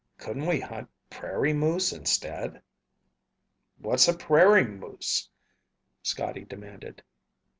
Couldn't we hunt prairie moose instead?" "What's a prairie moose?" Scotty demanded.